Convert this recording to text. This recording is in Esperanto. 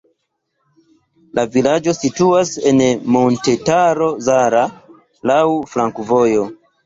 La vilaĝo situas en Montetaro Zala, laŭ flankovojo.